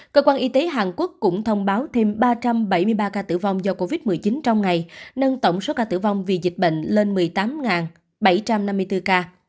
cơ quan y tế hàn quốc cũng thông báo thêm ba trăm bảy mươi ba ca tử vong do covid một mươi chín trong ngày nâng tổng số ca tử vong vì dịch bệnh lên một mươi tám bảy trăm năm mươi bốn ca